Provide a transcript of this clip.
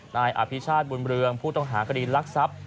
นายอภิชาติบุญเบือร์เพื่อกดต่อหากลิลักษณ์ทรัพย์